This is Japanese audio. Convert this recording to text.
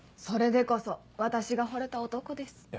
それでこそ私が惚れた男です。